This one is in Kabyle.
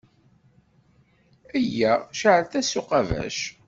Eyyah! Ceεl-as s uqabac.